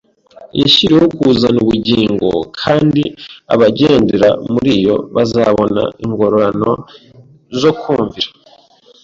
Yashyiriweho kuzana ubugingo; kandi abagendera muri yo bazabona ingororano zo kumvira.